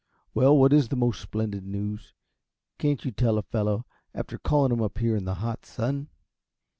Well, what is the most splendid news? Can't you tell a fellow, after calling him up here in the hot sun?"